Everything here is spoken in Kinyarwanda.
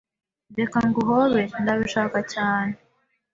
"Reka nguhobere." "Ndabishaka cyane."